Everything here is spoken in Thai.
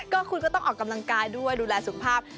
ก็คุณก็ต้องออกกำลังกายด้วยดูแลสุขภาพ